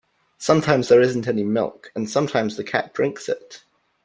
Sometimes there isn't any milk, and sometimes the cat drinks it.